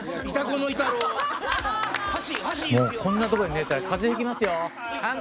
こんなとこで寝てたら風邪ひきますよ。